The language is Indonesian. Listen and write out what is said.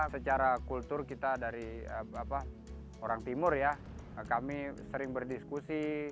secara kultur kita dari orang timur ya kami sering berdiskusi